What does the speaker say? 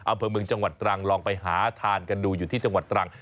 อำเภอเมืองจังหวัดตรังลองไปหาทานกันดูอยู่ที่จังหวัดตรัง